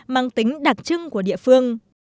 mang tính đặc trưng của địa phương